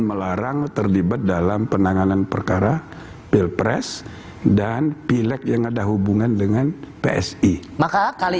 melarang terlibat dalam penanganan perkara pilpres dan pileg yang ada hubungan dengan psi maka kali